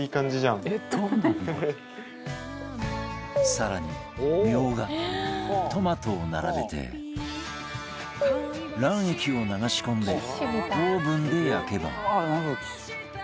更にミョウガトマトを並べて卵液を流し込んでオーブンで焼けば